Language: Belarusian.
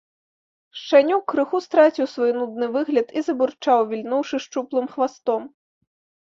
Шчанюк крыху страціў свой нудны выгляд і забурчаў, вільнуўшы шчуплым хвастом.